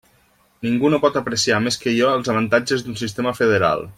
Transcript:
Ningú no pot apreciar més que jo els avantatges d'un sistema federal.